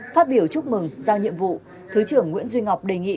phát biểu chúc mừng giao nhiệm vụ thứ trưởng nguyễn duy ngọc đề nghị